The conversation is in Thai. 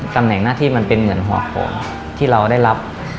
ตำแหน่งหน้าที่มันเป็นเหมือนหัวของที่เราได้รับ